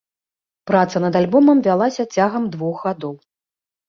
Праца над альбомам вялася цягам двух гадоў.